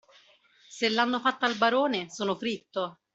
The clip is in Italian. Se l'hanno fatta al barone, sono fritto!